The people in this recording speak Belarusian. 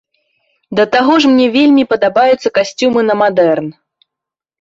Да таго ж мне вельмі падабаюцца касцюмы на мадэрн.